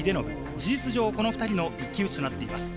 事実上、２人の一騎打ちとなっています。